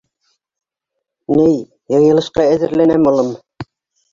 Ней, йыйылышҡа әҙерләнәм, улым.